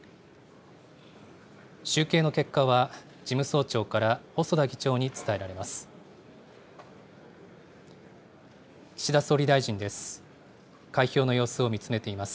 集計の結果は、事務総長から細田議長に伝えられます。